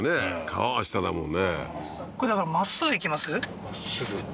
川は下だもん